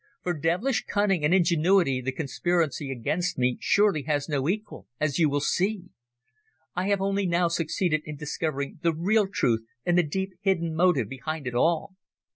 For devilish cunning and ingenuity the conspiracy against me surely has no equal, as you will see. I have only now succeeded in discovering the real truth and the deep hidden motive behind it all.